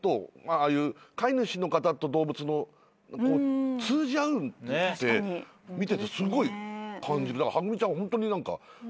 ああいう飼い主の方と動物の通じ合うって見ててすごい。はぐみちゃんホントに何か。